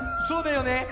そうだよね！